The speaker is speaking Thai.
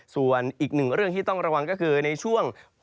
ส่วนอีกหนึ่งเรื่องที่ต้องระวังก็คือในช่วง